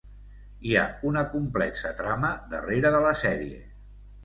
Hi ha una complexa trama darrere de la sèrie.